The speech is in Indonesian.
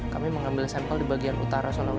kami mengambil sampel di bagian utara sulawesi